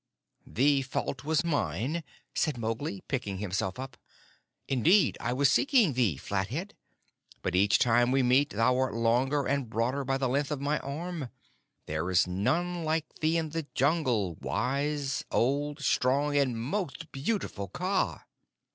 "The fault was mine," said Mowgli, picking himself up. "Indeed I was seeking thee, Flathead, but each time we meet thou art longer and broader by the length of my arm. There is none like thee in the Jungle, wise, old, strong, and most beautiful Kaa."